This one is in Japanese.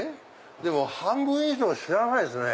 でも半分以上知らないですね。